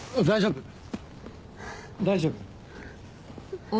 大丈夫？